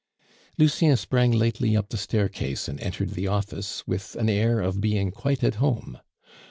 Lucien sprang lightly up the staircase, and entered the office with an air of being quite at home.